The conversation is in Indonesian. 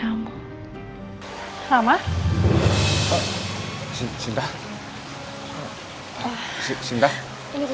dan aku juga tau angelny itu adalah calon istri kamu